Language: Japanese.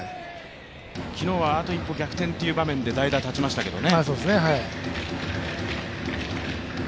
昨日はあと一歩逆転というところで代打に立ちましたけどね。